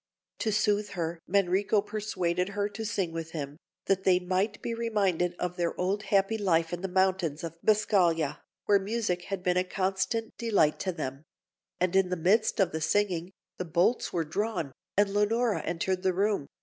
To soothe her Manrico persuaded her to sing with him, that they might be reminded of their old happy life in the mountains of Biscaglia, where music had been a constant delight to them; and in the midst of the singing, the bolts were drawn, and Leonora entered the room.